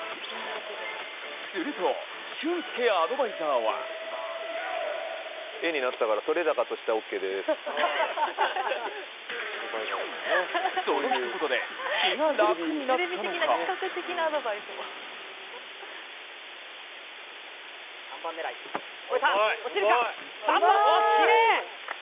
すると、俊輔アドバイザーはそのひと言で気が楽になったのか３番、おっ！